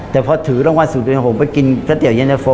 แต่พอถือรางวัลสุพนธหงษ์ไปกินสะเตี๋ยวเย็นเตอร์โฟ